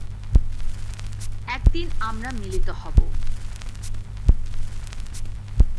একদিন আমরা মিলিত হবো।